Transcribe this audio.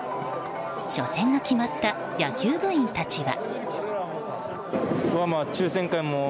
初戦が決まった野球部員たちは。